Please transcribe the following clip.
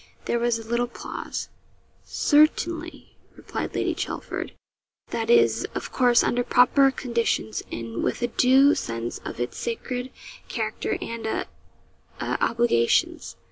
There was a little pause. 'Certainly,' replied Lady Chelford; 'that is, of course, under proper conditions, and with a due sense of its sacred character and a a obligations.'